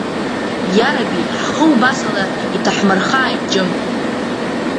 Иараби, ҳхы убасала иҭаҳмырхааит, џьым!